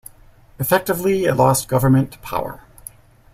Effectively it lost government power.